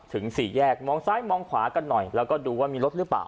สี่แยกมองซ้ายมองขวากันหน่อยแล้วก็ดูว่ามีรถหรือเปล่า